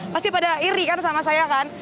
pasti pada iri kan sama saya kan